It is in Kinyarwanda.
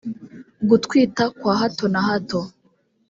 gutwita kwa hato na hato